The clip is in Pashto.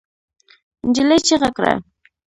نجلۍ چيغه کړه.